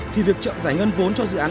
thì việc chậm giải ngân vốn cho dự án